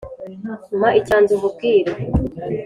mpa icyanzu nkubwire